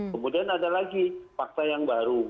kemudian ada lagi fakta yang baru